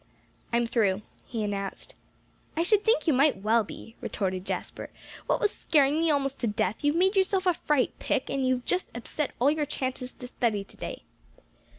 "I'm through," he announced. "I should think you might well be," retorted Jasper; "what with scaring me almost to death, you've made yourself a fright, Pick, and you've just upset all your chances to study to day."